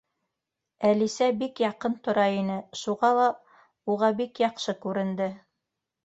Әлисә бик яҡын тора ине, шуға ла уға бик яҡшы күренде.